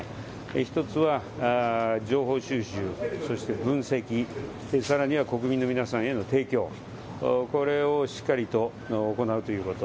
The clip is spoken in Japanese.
１つは情報収集、そして分析、さらには国民の皆さんへの提供、これをしっかりと行うということ。